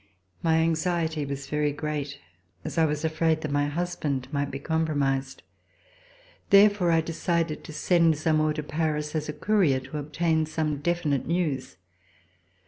My anxiety was very great, as I was afraid that my husband might be compromised. Therefore I de cided to send Zamore to Paris as a courier to ob tain some definite news.